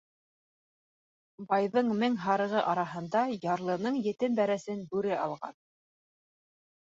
Байҙың мең һарығы араһында ярлының етем бәрәсен бүре алған.